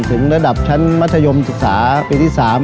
ถึงระดับชั้นมัธยมศึกษาปีที่๓